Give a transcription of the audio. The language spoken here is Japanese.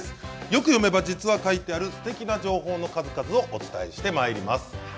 よく読めば実は書いてあるすてきな情報の数々をお伝えしてまいります。